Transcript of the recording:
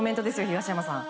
東山さん。